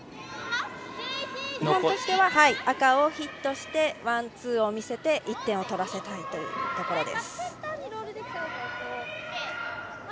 日本としては赤をヒットしてワン、ツーを見せて１点を取らせたいところです。